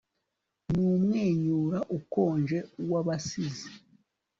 Numwenyura ukonje wabasizi